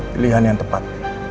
pilihan yang tepat